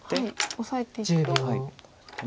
オサえていくと。